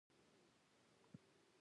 موږ به هم إن شاء الله یو کاربار